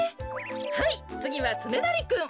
はいつぎはつねなりくん。